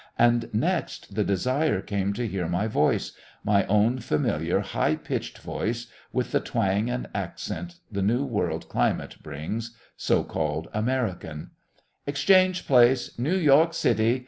And next the desire came to hear my voice my own familiar, high pitched voice with the twang and accent the New World climate brings, so called American: "Exchange Place, Noo York City.